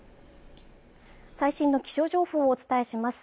最新の気象情報をお伝えします